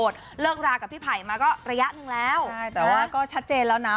ใช่แต่ว่าก็ชัดเจนแล้วนะ